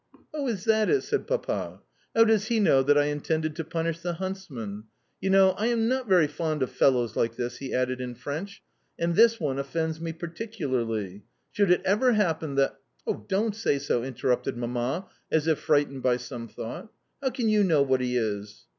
"Oh, is that it?" said Papa, "How does he know that I intended to punish the huntsman? You know, I am not very fond of fellows like this," he added in French, "and this one offends me particularly. Should it ever happen that " "Oh, don't say so," interrupted Mamma, as if frightened by some thought. "How can you know what he is?"